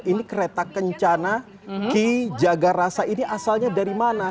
ini kereta kencana ki jagarasa ini asalnya dari mana